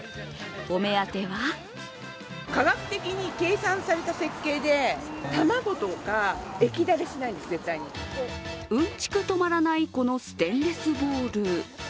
お目当てはうんちく止まらない、このステンレスボウル。